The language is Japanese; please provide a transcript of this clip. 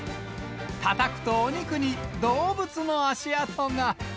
たたくとお肉に動物の足跡が。